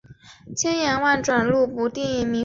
他现在效力于瑞典球队哥特堡体育俱乐部。